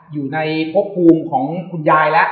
อยู่ในพบภูมิของคุณยายแล้ว